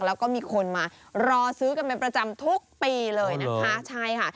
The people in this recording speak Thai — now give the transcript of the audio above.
แล้วก็มีคนมารอซื้อกันเป็นประจำทุกปีเลยนะคะใช่ค่ะ